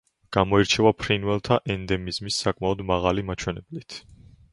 გამოირჩევა ფრინველთა ენდემიზმის საკმაოდ მაღალი მაჩვენებლით.